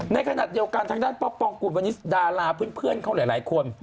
ในขณะเดียวกันทางด้านป๊อปปองกุลวันนี้ดาราเพื่อนเขาหลายคน